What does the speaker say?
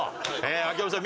秋山さん